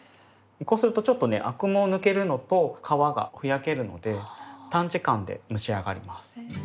こうするとちょっとねアクも抜けるのと皮がふやけるので短時間で蒸し上がります。